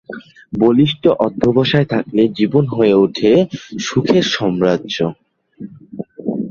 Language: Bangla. বলিষ্ঠ অধ্যবসায় থাকলে জীবন হয়ে উঠে সুখের সাম্রাজ্য।